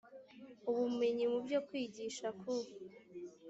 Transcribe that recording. ubumenyi mu byo kwigisha ku